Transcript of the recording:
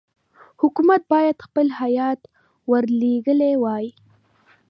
حکومت باید خپل هیات ورلېږلی وای.